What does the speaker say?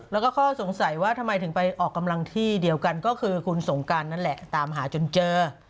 แล้วก็ข้อสงสัยว่าทำไมถึงไปออกกำลังที่เดียวกันก็คือคุณสงการนั่นแหละตามหาจนเจอ